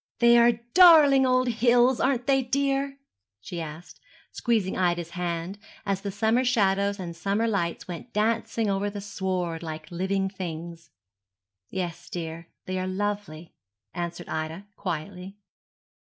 'They are darling old hills, aren't they, dear?' she asked, squeezing Ida's hand, as the summer shadows and summer lights went dancing over the sward like living things. 'Yes, dear, they are lovely,' answered Ida, quietly.